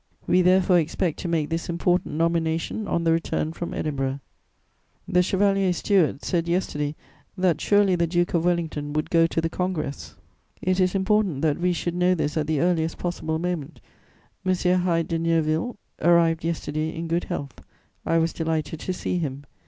"We therefore expect to make this important nomination on the return from Edinburgh. The Chevalier Stuart said yesterday that surely the Duke of Wellington would go to the Congress; it is important that we should know this at the earliest possible moment. M. Hyde de Neuville arrived yesterday in good health. I was delighted to see him.